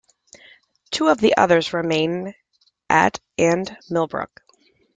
Two of the others remain at and Milbrook.